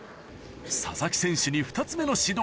佐々木選手に２つ目の指導